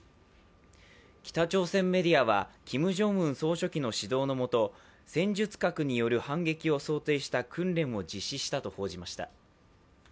北朝鮮メディアは、キム・ジョンウン総書記の指導の下戦術核による反撃を想定した訓練を実施したと報じました。